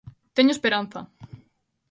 Teño esperanza.